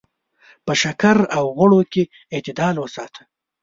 په شکر او غوړو کې اعتدال وساته.